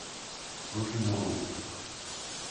Пружи му руку.